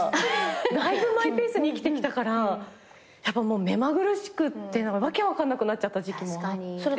だいぶマイペースに生きてきたからやっぱもう目まぐるしくって訳分かんなくなっちゃった時期もあって。